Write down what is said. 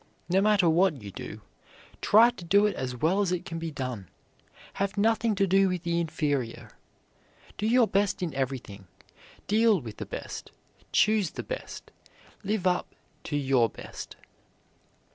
No matter what you do, try to do it as well as it can be done. Have nothing to do with the inferior. Do your best in everything; deal with the best; choose the best; live up to your best.